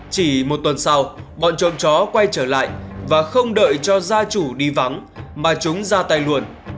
chỉ một tuần sau bọn trộm chó quay trở lại và không đợi cho gia chủ đi vắng mà chúng ra tay luôn